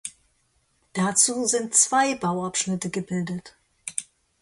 Dazu sind zwei Bauabschnitte gebildet.